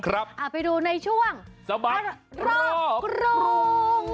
ไปดูในช่วงสมัครรอบครอง